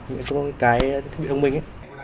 những cái thiết bị thông minh